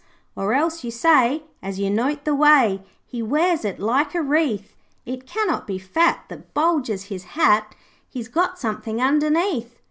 'Or else you say, As you note the way He wears it like a wreath, "It cannot be fat That bulges his hat; He's got something underneath."